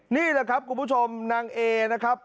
นี่แหละครับคุณผู้ชมนางเอนะครับ